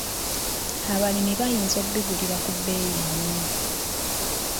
Abalimi bayinza okubigulira ku bbeeyi ennene.